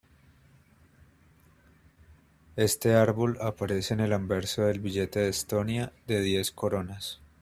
Este árbol aparece en el anverso del billete de Estonia de diez coronas.